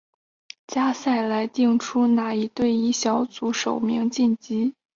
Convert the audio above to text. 纽维尔旧生及圣罗伦素需要进行一场附加赛来定出哪一队以小组首名晋级。